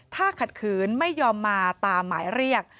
ถ้าขัดขืนไม่ยอมมาตามหมายเรียก